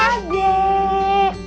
kok sendirian aja disini